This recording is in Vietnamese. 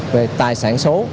về tài sản số